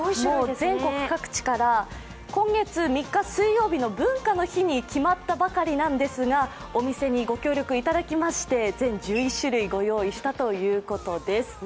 全国各地から今月１１月３日の文化の日に決まったばかりなんですがお店にご協力いただきまして、全１１種類ご用意したということです。